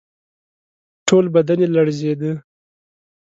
ټول بدن یې لړزېده.